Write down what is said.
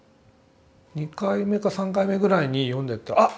２回目か３回目ぐらいに読んでってあっ